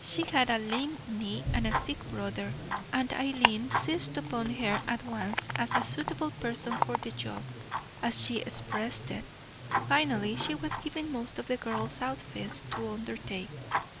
She had a lame knee and a sick brother, and Eileen seized upon her at once as a suitable person for the job, as she expressed it. Finally, she was given most of the girls' outfits to undertake.